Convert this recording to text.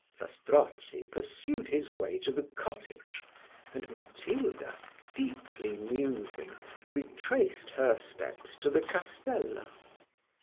Zastrozzi pursued his way to the cottage, and Matilda, deeply musing, retraced her steps to the castella.